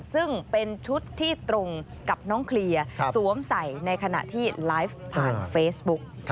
ซึ่งเป็นชุดที่ตรงกับน้องเคลียร์สวมใส่ในขณะที่ไลฟ์ผ่านเฟซบุ๊ก